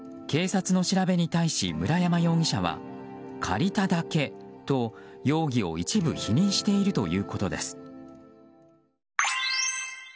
警察の調べに対し村山容疑者は借りただけと容疑を一部否認しているということです。